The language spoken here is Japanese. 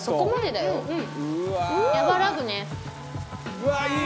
「うわっいい！」